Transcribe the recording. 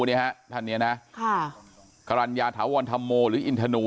เนี้ยฮะท่านเนี้ยนะครับค่ากรรณญาถาวรธัมโมหรืออิณธนู๐๐๐